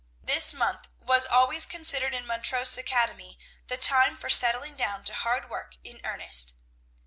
This month was always considered in Montrose Academy the time for settling down to hard work in earnest.